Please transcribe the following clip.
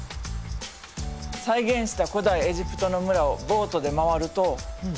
再現した古代エジプトの村をボートで回ると。